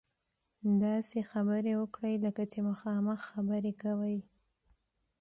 داسې خبرې وکړئ لکه چې مخامخ خبرې کوئ.